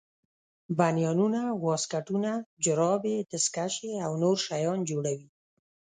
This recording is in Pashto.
بنینونه واسکټونه جورابې دستکشې او نور شیان جوړوي.